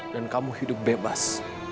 dan kamu hidup bebas